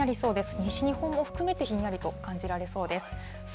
西日本も含めてひんやりと感じられそうです。